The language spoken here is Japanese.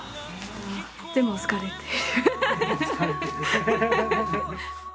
でも疲れてる。